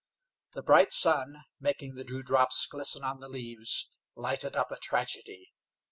The bright sun, making the dewdrops glisten on the leaves, lighted up a tragedy.